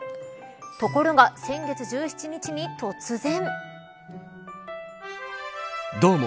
ところが、先月１７日に突然。